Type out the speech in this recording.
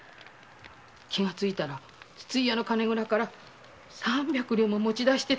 気がついたら筒井屋の蔵から三百両も持ち出してた。